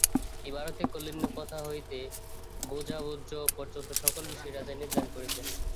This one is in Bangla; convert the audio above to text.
এ ভারতে কৌলীন্যপ্রথা হইতে ভোজ্যাভোজ্য পর্যন্ত সকল বিষয় রাজাই নির্ধারণ করিতেন।